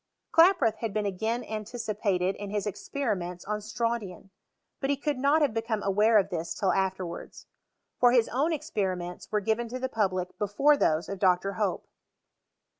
Klaproth had been again anticipated in his expe* riments on strontian ; but he could not have become aware of this till afterwards. For his own experi ments were given to the public before those of Dr. Hope.